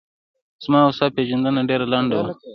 زما و ستا پیژندنه ډېره لڼده وه